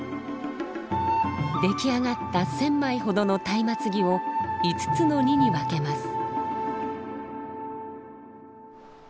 出来上がった１，０００枚ほどの松明木を５つの荷に分けます。